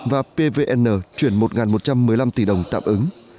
và pvn chuyển một một trăm một mươi năm tỷ đồng tạm ứng